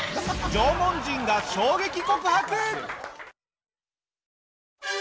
縄文人が衝撃告白！？